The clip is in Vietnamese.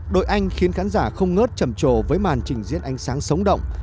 đội anh khiến khán giả không ngớt chầm trồ với màn trình diễn ánh sáng sống động